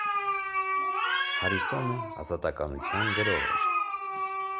Հարիսոնը ազատականության գրող էր։